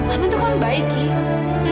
arman tuh kamu baik iya